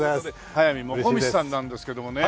速水もこみちさんなんですけどもね。